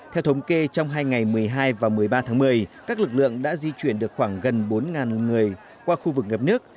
theo thống kê trong hai ngày một mươi hai và một mươi ba tháng một mươi các lực lượng đã di chuyển được khoảng gần bốn người qua khu vực ngập nước